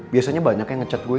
biasanya banyak yang ngecet gue